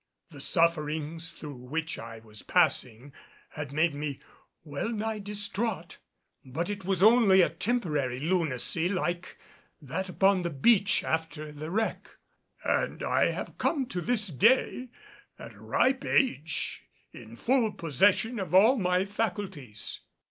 The sufferings through which I was passing had made me well nigh distraught; but it was only a temporary lunacy like that upon the beach after the wreck. And I have come to this day, at a ripe age, in full possession of all my faculties.